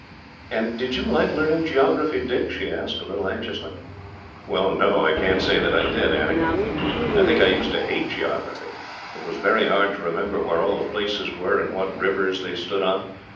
"And did you like learning geography, Dick?" she asked, a little anxiously. "Well no, I can't say that I did, Annie. I think I used to hate geography. It was very hard to remember where all the places were, and what rivers they stood on.